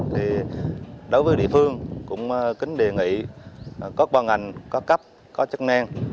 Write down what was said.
thì đối với địa phương cũng kính đề nghị có bàn ảnh có cấp có chức năng